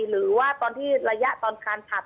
หรือว่าในระยะตอนทางผ่าตัด